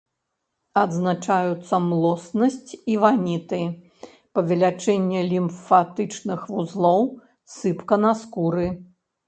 Адзначаюцца млоснасць і ваніты, павелічэнне лімфатычных вузлоў, сыпка на скуры.